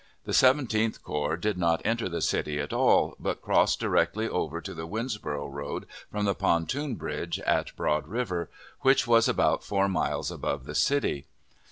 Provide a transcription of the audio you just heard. The Seventeenth Corps did not enter the city at all, but crossed directly over to the Winnsboro' road from the pontoon bridge at Broad River, which was about four miles above the city.